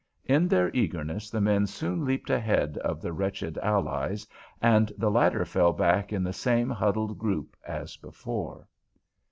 In their eagerness the men soon leaped ahead of the wretched allies, and the latter fell back in the same huddled group as before.